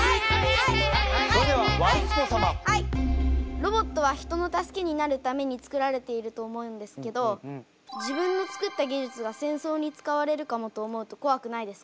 ロボットは人の助けになるために作られていると思うんですけど自分の作った技術が戦争に使われるかもと思うとこわくないですか？